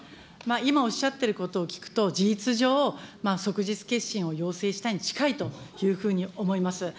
今おっしゃっていることを聞くと、事実上、即日結審を要請したに近いというふうに思います。